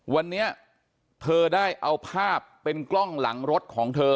วันนี้เธอได้เอาภาพเป็นกล้องหลังรถของเธอ